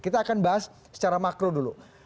kita akan bahas secara makro dulu